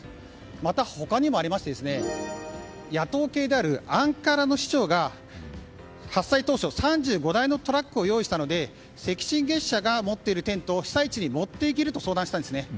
また、他にもありまして野党系であるアンカラの市長が発災当初３５台のトラックを用意したので赤新月社が持っているテントを被災地に持っていけると相談したんですね。